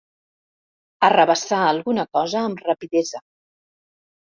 Arrabassar alguna cosa amb rapidesa.